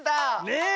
ねえ！